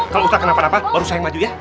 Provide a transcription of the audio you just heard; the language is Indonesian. kalau usta kenapa napa baru saya maju ya